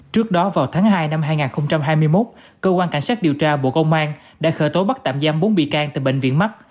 trước đó vào tháng hai năm hai nghìn hai mươi một cơ quan cảnh sát điều tra bộ công an đã khởi tố bắt tạm giam bốn bị can từ bệnh viện mắt